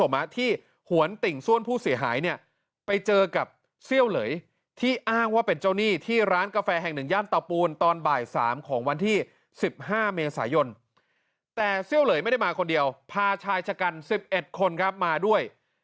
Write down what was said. ๑๕เมษายนแต่เซี่ยวเหลยไม่ได้มาคนเดียวพาชายชะกัน๑๑คนมาด้วย